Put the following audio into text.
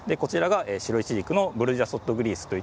白イチジクのブルジャソットグリース。